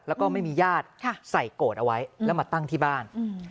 แล้วก็ไม่มีญาติใส่โกรธเอาไว้แล้วมาตั้งที่บ้าน